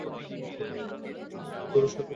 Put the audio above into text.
এখানে জাতিবর্ণ-নির্বিশেষে অধ্যয়ন করান হবে।